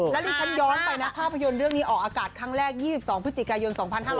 แล้วดิฉันย้อนไปนะภาพยนตร์เรื่องนี้ออกอากาศครั้งแรก๒๒พฤศจิกายน๒๕๖๐